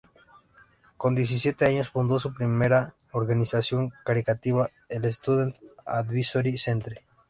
Con diecisiete años fundó su primera organización caritativa, el "Student Advisory Centre.